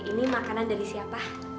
ini makanan dari siapa